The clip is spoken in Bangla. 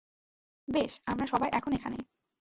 বেশ, আমরা সবাই এখন এখানে।